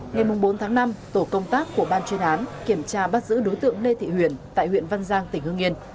ngày bốn tháng năm tổ công tác của ban chuyên án kiểm tra bắt giữ đối tượng lê thị huyền tại huyện văn giang tỉnh hương yên